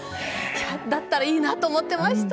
だったらいいなと思ってました。